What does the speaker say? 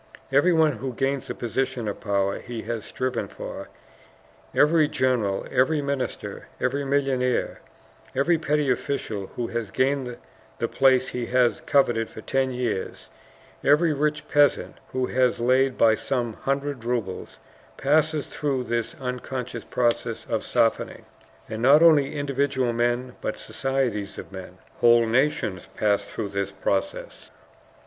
Everyone who gains a position of power he has striven for, every general, every minister, every millionaire, every petty official who has gained the place he has coveted for ten years, every rich peasant who has laid by some hundred rubles, passes through this unconscious process of softening. And not only individual men, but societies of men, whole nations, pass through this process.